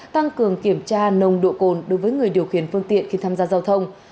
tăng cường kiểm tra nồng độ cồn đối với người điều khiển phương tiện khi tham gia giao thông